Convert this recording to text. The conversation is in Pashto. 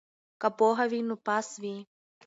که پوهه وي نو پاس وي.